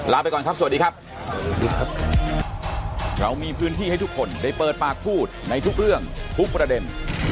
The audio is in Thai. ไปก่อนครับสวัสดีครับสวัสดีครับเรามีพื้นที่ให้ทุกคนได้เปิดปากพูดในทุกเรื่องทุกประเด็น